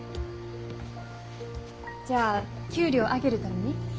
じゃあ給料上げるために？